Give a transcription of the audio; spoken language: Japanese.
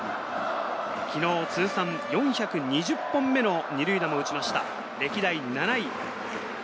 昨日、通算４２０本目の二塁打も打ちました、歴代７位。